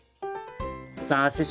さあ師匠